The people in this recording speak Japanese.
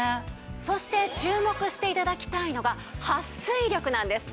そして注目して頂きたいのがはっ水力なんです。